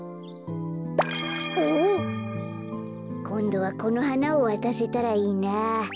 こんどはこのはなをわたせたらいいなあ。